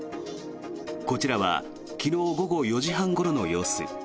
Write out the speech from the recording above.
こちらは昨日午後４時半ごろの様子。